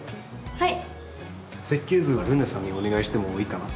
はい。